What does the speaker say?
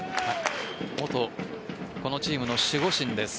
元このチームの守護神です